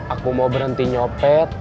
aku mau berhenti nyopet